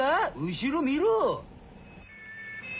後ろ見ろ！